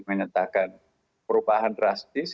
menyatakan perubahan drastis